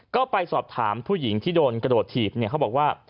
ก็ไปสอบถามผู้หญิงที่โดนกระโดดถีบเขาบอกว่า